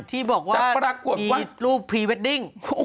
ที่บอกว่ามีรูปพรีเวดดิ้ง